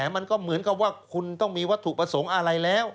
มันก็เหมือนกับว่าคุณต้องมีวัตถุประสงค์อะไรแล้ว